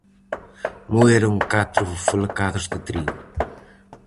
Moeron catro folecados de trigo.